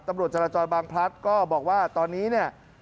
ตำรวจจราจรบางพลัดก็บอกว่าตอนนี้เนี่ย